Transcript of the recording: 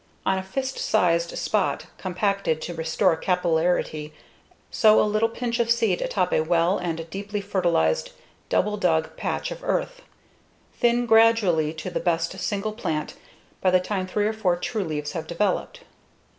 On a fist sized spot compacted to restore capillarity, sow a little pinch of seed atop a well and deeply fertilized, double dug patch of earth. Thin gradually to the best single plant by the time three or four true leaves have developed.